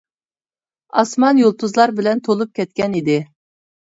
ئاسمان يۇلتۇزلار بىلەن تولۇپ كەتكەن ئىدى.